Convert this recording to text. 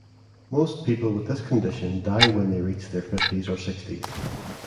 Most people with this condition die when they reach their fifties or sixties.